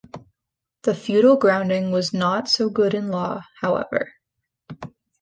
The feudal grounding was not so good in law, however.